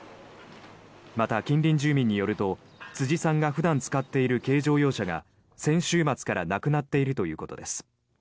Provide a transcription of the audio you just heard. また、近隣住民によると辻さんが普段使っている軽乗用車が先週末からなくなっているということです。